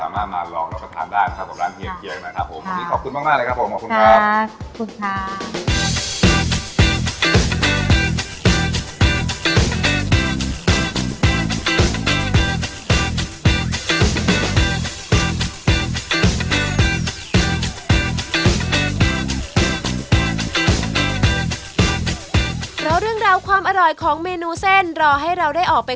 มาลองแล้วก็ทานได้นะครับกับร้านเฮียเกี๊ยกหน่อยครับผม